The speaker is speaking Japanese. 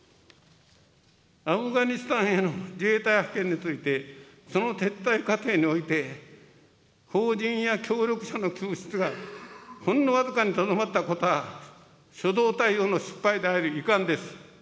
アフガニスタンへの自衛隊派遣について、その撤退過程において、邦人や協力者の救出がほんの僅かにとどまったことは、初動対応の失敗であり、遺憾です。